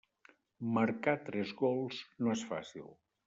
Marcar tres gols no és fàcil.